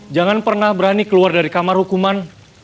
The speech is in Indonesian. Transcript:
jangan pernah berani keluar dari kamar hukuman